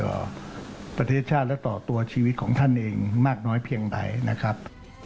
ประเทศชาติและต่อตัวชีวิตของท่านเองมากน้อยเพียงใดนะครับ